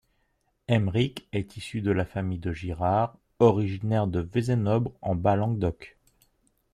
Aimeric est issu de la famille de Girard, originaire de Vézénobres en Bas-Languedoc.